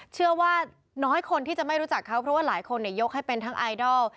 เชื่อว่าน้อยคนที่จะไม่รู้จักเขาเพราะว่าหลายคนยกให้เป็นทั้งไอดอล